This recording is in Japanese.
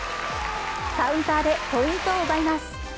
カウンターでポイントを奪います。